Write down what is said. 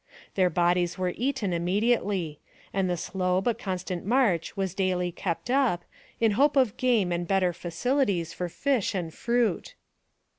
Their bodies were eaten im mediately ; and the slow but constant march was daily kept up, in hope of game and better facilities for fish and fruit.